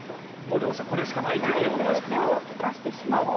両者、これしかないという手を出し続けると。